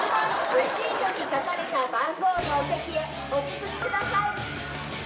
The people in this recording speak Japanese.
レシートに書かれた番号のお席へお進みください。